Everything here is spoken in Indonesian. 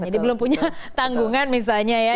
jadi belum punya tanggungan misalnya ya